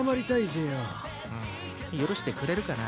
うん許してくれるかな？